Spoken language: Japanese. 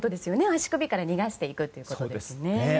足首から逃がしていくということですね。